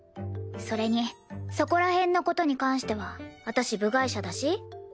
それにそこら辺の事に関しては私部外者だし？